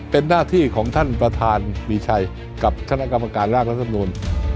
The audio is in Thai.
เป็นหน้าที่ของท่านประธานวิชัยกับท่านกรรมการรากลักษณ์นวล